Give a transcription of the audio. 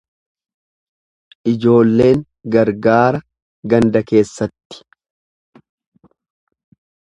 Ijoolleen gargaara ganda keessatti.